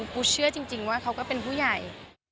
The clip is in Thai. ปูเชื่อจริงว่าเขาก็เป็นผู้ใหญ่